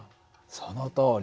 そのとおり。